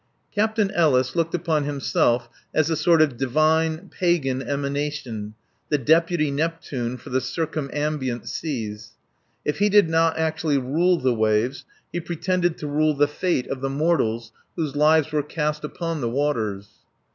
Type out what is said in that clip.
Captain Ellis looked upon himself as a sort of divine (pagan) emanation, the deputy Neptune for the circumambient seas. If he did not actually rule the waves, he pretended to rule the fate of the mortals whose lives were cast upon the waters.